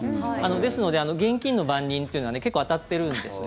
ですので、現金の番人というのは結構当たってるんですね。